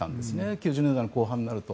９０年代の後半になると。